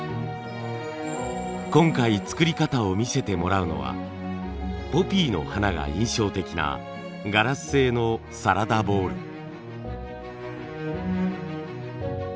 今回作り方を見せてもらうのはポピーの花が印象的なガラス製のサラダボウル。